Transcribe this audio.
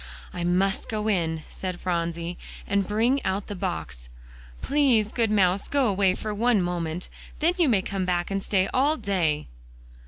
"I must go in," said Phronsie, "and bring out the box. Please, good mouse, go away for one moment; then you may come back and stay all day."